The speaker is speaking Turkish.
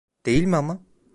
Değil mi ama?